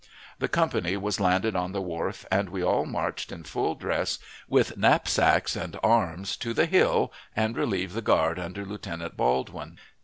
The company was landed on the wharf, and we all marched in full dress with knapsacks and arms, to the hill and relieved the guard under Lieutenant Baldwin.